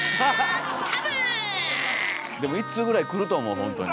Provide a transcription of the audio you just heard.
でも１通ぐらい来ると思うほんとに。